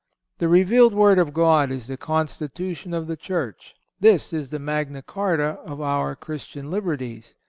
The revealed Word of God is the constitution of the Church. This is the Magna Charta of our Christian liberties.